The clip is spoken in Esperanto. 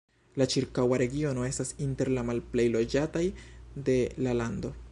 La ĉirkaŭa regiono estas inter la malplej loĝataj de la lando.